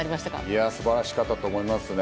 いやぁ、すばらしかったと思いますね。